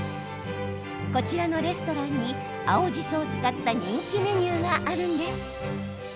こちらのレストランに青じそを使った人気メニューがあるんです。